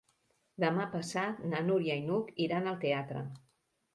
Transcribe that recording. Demà passat na Núria i n'Hug iran al teatre.